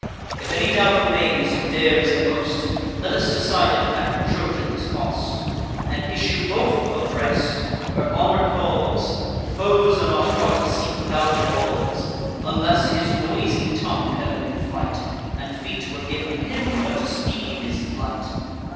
If any doubt remains, who dares the most, Let us decide it at the Trojan's cost, And issue both abreast, where honour calls— (Foes are not far to seek without the walls) Unless his noisy tongue can only fight, And feet were giv'n him but to speed his flight.